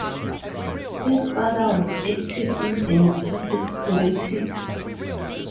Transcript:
His father was active in Democratic politics.